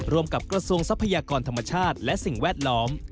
รวมกับกระทรวงทรัพยากรธรรมชาติและสิ่งแวดล้อม